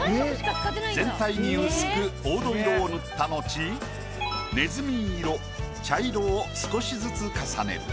全体に薄く黄土色を塗った後ねずみ色茶色を少しずつ重ねる。